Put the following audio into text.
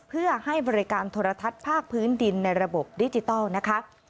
เพื่อให้บริการโทรทัศน์ภาคพื้นดินในระบบดิจิทัลนะคะ